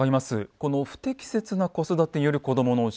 この不適切な子育てによる子どもの死